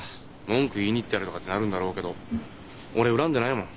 文句言いに行ってやるとかってなるんだろうけど俺恨んでないもん。